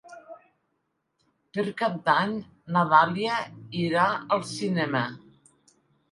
Per Cap d'Any na Dàlia irà al cinema.